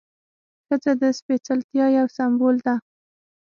ښځه د سپېڅلتیا یو سمبول ده.